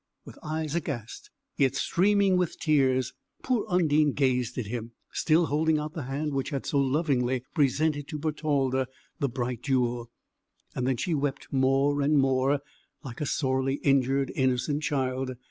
With eyes aghast, yet streaming with tears, poor Undine gazed at him, still holding out the hand which had so lovingly presented to Bertalda the bright jewel. Then she wept more and more, like a sorely injured, innocent child.